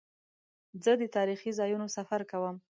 زه د تاریخي ځایونو سفر کوم.